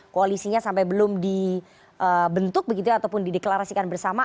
koalisinya sampai belum dibentuk begitu ataupun dideklarasikan bersama